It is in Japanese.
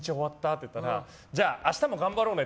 って言ったらじゃあ、明日も頑張ろうね！